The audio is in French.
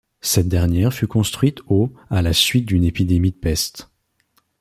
Cette dernière fut construite au à la suite d’une épidémie de peste.